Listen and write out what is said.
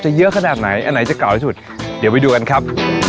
เยอะขนาดไหนอันไหนจะเก่าที่สุดเดี๋ยวไปดูกันครับ